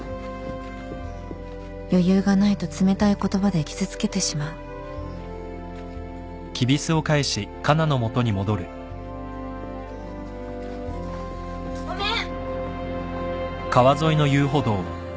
余裕がないと冷たい言葉で傷つけてしまうごめん。